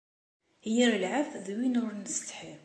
Yir lɛebd d win ur nettsetḥi.